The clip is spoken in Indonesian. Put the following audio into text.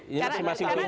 ini masih kuliah